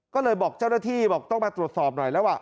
ก็เลยบอกเจ้าหน้าที่บอกต้องมาตรวจสอบหน่อยแล้วว่า